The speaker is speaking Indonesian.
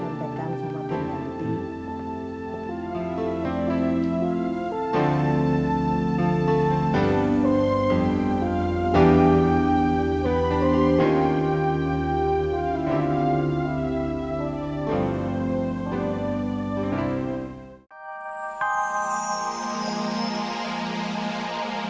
nanti saya sampaikan sama penyakit